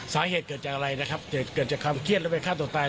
สาเหตุเกิดจากอะไรนะครับเกิดจากความเครียดแล้วไปฆ่าตัวตาย